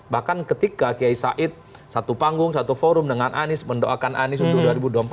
bahkan ketika kiai said satu panggung satu forum dengan anies mendoakan anies untuk dua ribu dua puluh empat